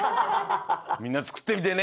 みんなつくってみてね！